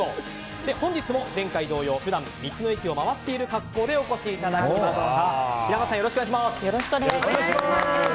本日も前回同様普段、道の駅を巡っている格好でお越しいただきました。